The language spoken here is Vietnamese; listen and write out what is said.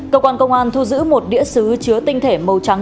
cơ quan công an thu giữ một đĩa xứ chứa tinh thể màu trắng